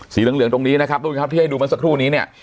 สีเหลืองตรงนี้นะครับพี่ให้ดูมาสักครู่นี้เนี่ย